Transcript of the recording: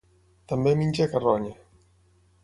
També menja carronya.